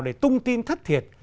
để tung tin thất thiệt